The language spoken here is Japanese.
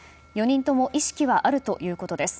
４人とも意識はあるということです。